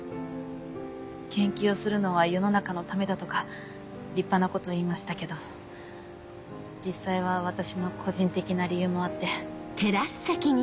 研究するのは世の中のためだとか立派なこと言いましたけど実際は私の個人的な理由もあって。